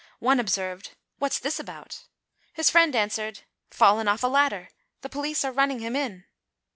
One observed: "What's this about?" His friend answered: "Fallen off a ladder, the police are running him in!"